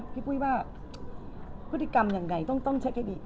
พี่ปุ๊ยว่าพฤติกรรมยังไงต้องต้องเช็คให้ดี